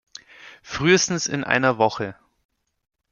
Frühestens in einer Woche.